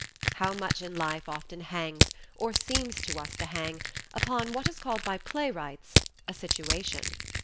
How much in life often hangs, or seems to us to hang, upon what is called by playwrights "a situation!"